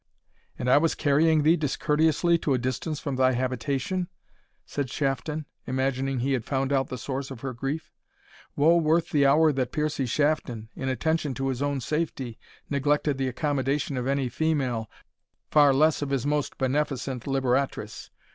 "And I was carrying thee discourteously to a distance from thy habitation?" said Shafton, imagining he had found out the source of her grief. "Wo worth the hour that Piercie Shafton, in attention to his own safety, neglected the accommodation of any female, far less of his most beneficent liberatrice!